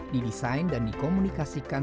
didesain dan dikomunikasikan